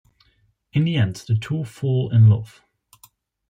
In the end, the two fall in love.